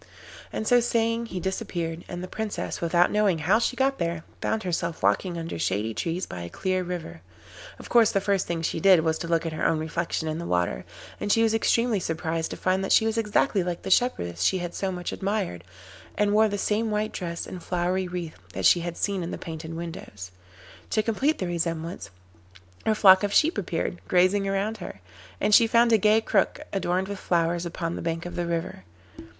And so saying he disappeared, and the Princess, without knowing how she got there, found herself walking under shady trees by a clear river. Of course, the first thing she did was to look at her own reflection in the water, and she was extremely surprised to find that she was exactly like the shepherdess she had so much admired, and wore the same white dress and flowery wreath that she had seen in the painted windows. To complete the resemblance, her flock of sheep appeared, grazing round her, and she found a gay crook adorned with flowers upon the bank of the river.